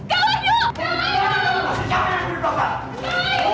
haris kamu jangan kabur haris